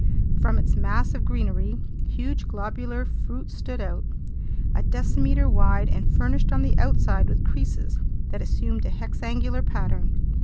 From its mass of greenery, huge globular fruit stood out, a decimeter wide and furnished on the outside with creases that assumed a hexangular pattern.